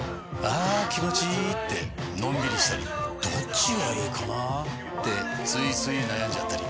あ気持ちいいってのんびりしたりどっちがいいかなってついつい悩んじゃったり。